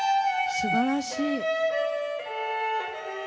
すばらしい。